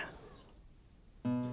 kamu lihat sendiri kan